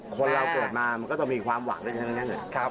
คนเราเกิดมามันก็ต้องมีความหวังได้ทั้งนั้นแหละ